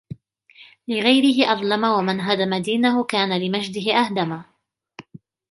لِغَيْرِهِ أَظْلَمَ ، وَمَنْ هَدَمَ دِينَهُ كَانَ لِمَجْدِهِ أَهْدَمَ